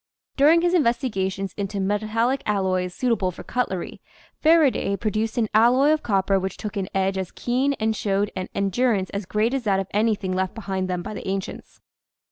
During his investigations into metal lic alloys suitable for cutlery, Faraday produced an alloy THE ART OF HARDENING COPPER LOST 195 of copper which took an edge as keen and showed an endurance as great as that of anything left behind them by the ancients.